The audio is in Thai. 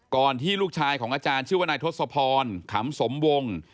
ที่ลูกชายของอาจารย์ชื่อว่านายทศพรขำสมวง